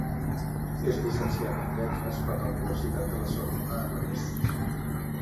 És llicenciada en Lletres per la Universitat de La Sorbona, a París.